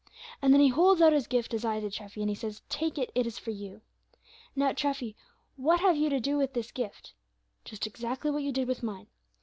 And then He holds out His gift, as I did, Treffy, and He says, 'Take it; it is for you.' Now, Treffy, what have you to do with this gift? Just exactly what you did with mine.